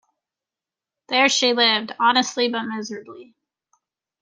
There she lived honestly but miserably.